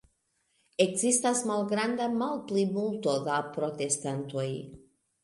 Ekzistas malgranda malplimulto da protestantoj.